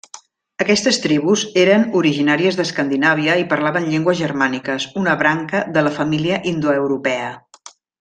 Aquestes tribus eren originàries d'Escandinàvia i parlaven llengües germàniques, una branca de la família indoeuropea.